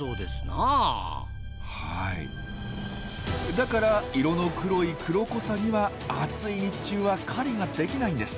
だから色の黒いクロコサギは暑い日中は狩りができないんです。